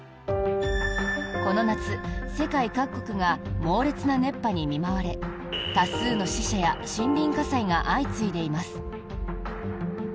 この夏、世界各国が猛烈な熱波に見舞われ多数の死者や森林火災が相次いでいます。